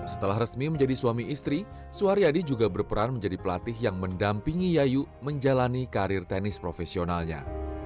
setelah resmi menjadi suami istri suharyadi juga berperan menjadi pelatih yang mendampingi yayu menjalani karir tenis profesionalnya